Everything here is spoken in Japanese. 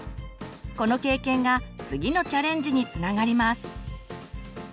この経験が次のチャレンジにつながります。